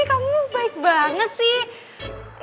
kamu baik banget sih